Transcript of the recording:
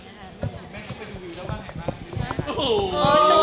แล้วคุณแม่เข้าไปดูวิวแล้วบ้างไงบ้าง